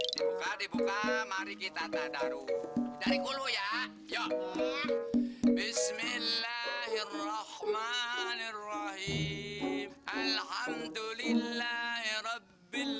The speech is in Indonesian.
di buka di buka mari kita taruh dari kuluh ya yo bismillahirrohmanirrohim alhamdulillahirrohim